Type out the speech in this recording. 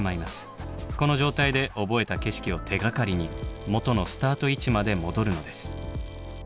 この状態で覚えた景色を手がかりにもとのスタート位置まで戻るのです。